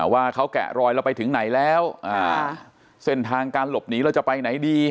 ว่าเขาแกะรอยเราไปถึงไหนแล้วเส้นทางการหลบหนีเราจะไปไหนดี